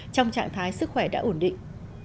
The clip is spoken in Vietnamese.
trong trạng thái sức khỏe đã ổn định